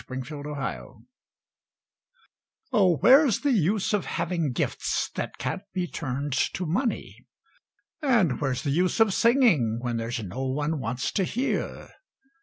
WHERE'S THE USE Oh, where's the use of having gifts that can't be turned to money? And where's the use of singing, when there's no one wants to hear?